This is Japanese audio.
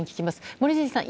森尻さん